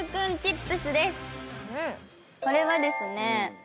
これはですね。